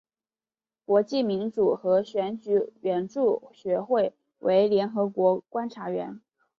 国际民主和选举援助学会为联合国观察员。